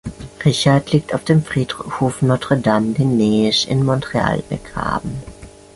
Richard liegt auf dem Friedhof Notre-Dame-des-Neiges in Montreal begraben.